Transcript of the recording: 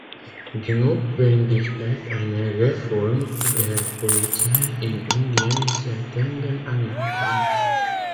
Die Notwendigkeit einer Reform der Polizei in Indien ist seit langem anerkannt.